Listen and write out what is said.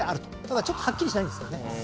ただはっきりしないんですけどね。